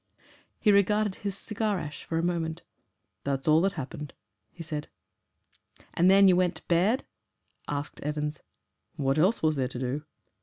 He regarded his cigar ash for a moment. "That's all that happened," he said. "And then you went to bed?" asked Evans. "What else was there to do?"